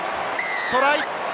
トライ！